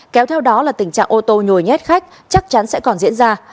kéo theo đó là tình trạng ô tô nhồi nhét khách chắc chắn sẽ còn diễn ra